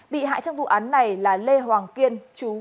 bị hại trong vụ án này là lê hoàng kiên